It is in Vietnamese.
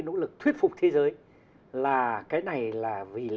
đồng thời năm nay là